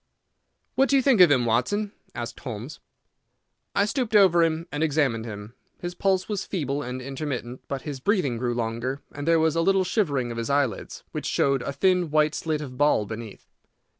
"What do you think of him, Watson?" asked Holmes. I stooped over him and examined him. His pulse was feeble and intermittent, but his breathing grew longer, and there was a little shivering of his eyelids, which showed a thin white slit of ball beneath.